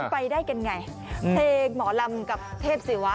ไปได้กันไงเพลงหมอลำกับเทพศิวะ